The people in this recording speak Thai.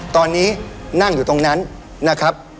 ตอนนี้นั่งอยู่ตรงนั้นนะครับ